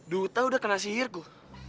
duta udah kena sihirku